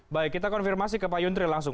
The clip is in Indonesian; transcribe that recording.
baik kita konfirmasi ke pak yuntri langsung